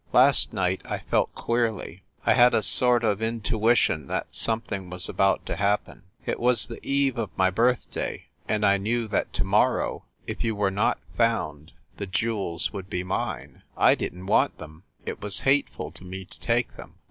"Last night I felt queerly. I had a sort of intuition that some thing was about to happen. It was the eve of my birthday, and I knew that to morrow, if you were not found, the jewels would be mine. I didn t want them; it was hateful to me to take them.